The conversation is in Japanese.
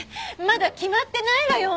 まだ決まってないわよ